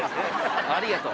ありがとう。